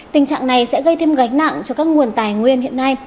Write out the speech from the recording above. tình trạng này sẽ gây thêm gánh nặng cho các nguồn tài nguyên hiện nay